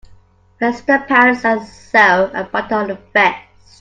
Press the pants and sew a button on the vest.